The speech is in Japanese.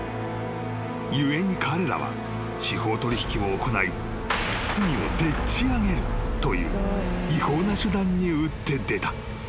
［故に彼らは司法取引を行い罪をでっち上げるという違法な手段に打って出た］